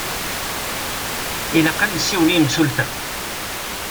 Ilaq ad nessiwel i yimsulta.